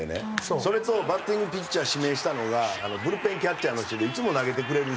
それとバッティングピッチャー指名したのがブルペンキャッチャーの人でいつも投げてくれる人だから。